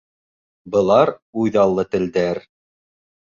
Былар үҙ аллы телдәр.